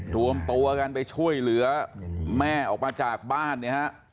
รวมตัวกันไปช่วยเหลือแม่ออกมาจากบ้านเนี่ยฮะ